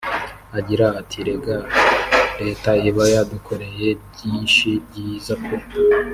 Agira ati “Erega Leta iba yadukoreye byinshi byiza pe